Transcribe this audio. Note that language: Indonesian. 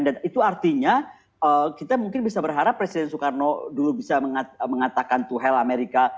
dan itu artinya kita mungkin bisa berharap presiden soekarno dulu bisa mengatakan to hell amerika